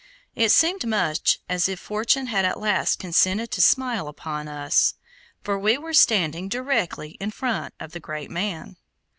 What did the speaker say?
It seemed much as if fortune had at last consented to smile upon us, for we were standing directly in front of the great man.